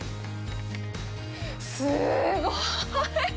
すごい。